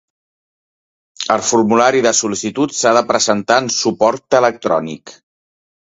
El formulari de sol·licitud s'ha de presentar en suport electrònic.